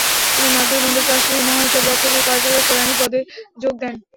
তিনি মাদ্রাজ বন্দর ট্রাস্টের মহাহিসাবরক্ষকের কার্যালয়ে কেরানি পদে যোগ দেন।